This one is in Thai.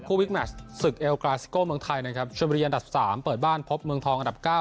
วิกแมชศึกเอลกราซิโก้เมืองไทยนะครับชนบุรีอันดับสามเปิดบ้านพบเมืองทองอันดับเก้า